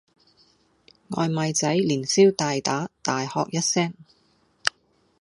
外賣仔連消帶打，大喝一聲